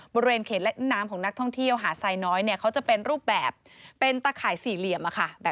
บริเวณเขตและน้ำของนักท่องเที่ยวหาไซน้อยเขาจะเป็นรูปแบบเป็นตะข่ายสี่เหลี่ยม